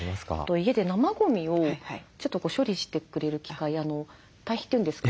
家で生ゴミをちょっと処理してくれる機械堆肥というんですかね